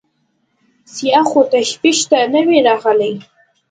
سیاح خو څه تفتیش ته نه وي راغلی.